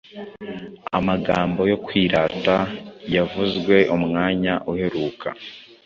Amagambo yo kwirata yavuzwe umwanya uheruka